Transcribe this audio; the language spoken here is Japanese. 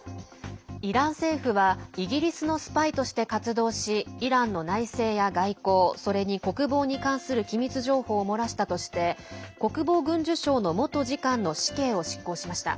イラン政府はイギリスのスパイとして活動しイランの内政や外交それに国防に関する機密情報を漏らしたとして国防軍需省の元次官の死刑を執行しました。